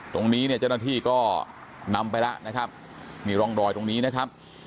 ตรงนี้เนี่ยเจ้าหน้าที่ก็นำไปแล้วนะครับมีร่องรอยตรงนี้นะครับ